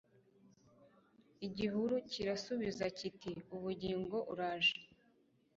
Igihuru kirasubiza kiti Ubugingo uraje